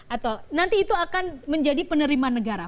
atau nanti itu akan menjadi penerima negara